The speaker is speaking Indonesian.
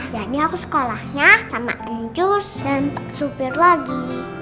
jadi harus sekolahnya sama enjus dan pak supir lagi